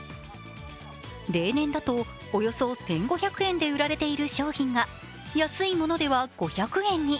例年だとおよそ１５００円で売られている商品が、安いものでは５００円に。